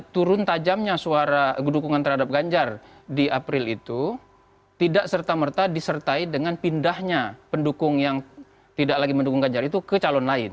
turun tajamnya suara dukungan terhadap ganjar di april itu tidak serta merta disertai dengan pindahnya pendukung yang tidak lagi mendukung ganjar itu ke calon lain